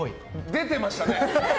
出てましたね。